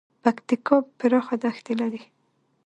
پکتیکا پراخه دښتې لري